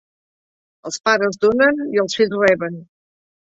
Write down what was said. Els pares donen i els fills reben.